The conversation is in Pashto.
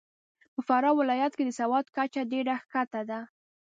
په فراه ولایت کې د سواد کچه ډېره کښته ده .